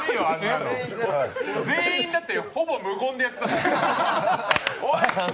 全員、だって、ほぼ無言でやってたから。